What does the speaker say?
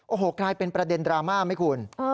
โอ้โหกลายเป็นประเด็นดราม่าไหมคุณ